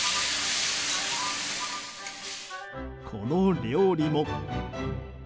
この料理も。